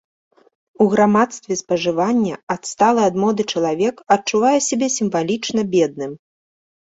У грамадстве спажывання адсталы ад моды чалавек адчувае сябе сімвалічна бедным.